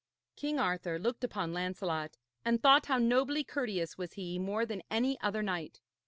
King Arthur looked upon Lancelot, and thought how nobly courteous was he more than any other knight.